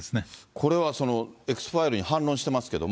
これは、Ｘファイルに反論してますけども。